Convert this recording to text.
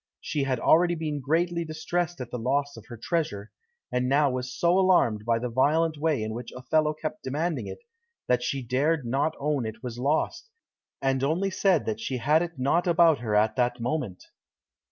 She had already been greatly distressed at the loss of her treasure, and now was so alarmed by the violent way in which Othello kept demanding it, that she dared not own it was lost, and only said she had it not about her at that moment.